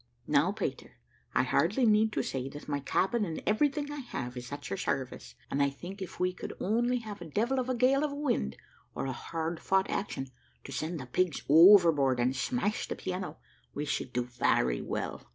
Now, Peter, I hardly need say that my cabin and everything I have is at your service; and I think if we could only have a devil of a gale of wind, or a hard fought action, to send the pigs over board and smash the piano, we should do very well."